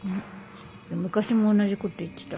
昔も同じこと言ってた。